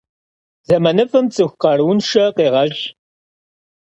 Зэманыфӏым цӏыху къарууншэ къегъэщӏ.